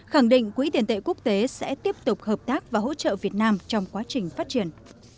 khẳng định quỹ tiền tệ quốc tế sẽ tiếp tục hợp tác và hỗ trợ việt nam trong quá trình phát triển